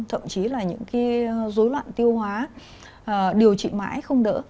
thậm chí là những cái dối loạn tiêu hóa điều trị mãi không đỡ